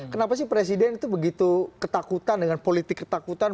kenapa sih presiden itu begitu ketakutan dengan politik ketakutan